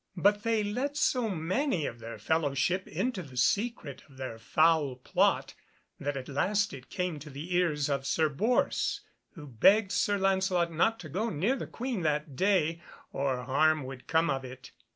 But they let so many of their fellowship into the secret of their foul plot, that at last it came to the ears of Sir Bors, who begged Sir Lancelot not to go near the Queen that day, or harm would come of it.